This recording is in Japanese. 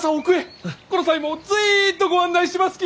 この際もうずいっとご案内しますき！